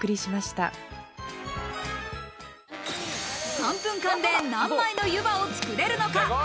３分間で何枚のゆばをつくれるのか。